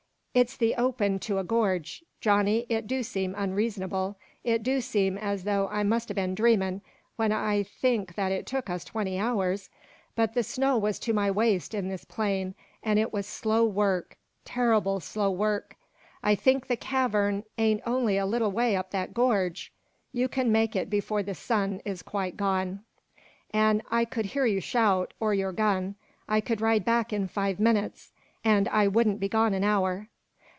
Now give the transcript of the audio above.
It's the open to a gorge. Johnny, it do seem unreasonable it do seem as though I must ha' been dreamin' when I think that it took us twenty hours! But the snow was to my waist in this plain, an' it was slow work turrible slow work! I think the cavern ain't on'y a little way up that gorge." "You can make it before the sun is quite gone." "An' I could hear you shout, or your gun. I could ride back in five minutes an' I wouldn't be gone an hour."